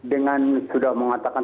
dengan sudah mengatakan